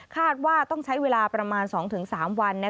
ว่าต้องใช้เวลาประมาณ๒๓วัน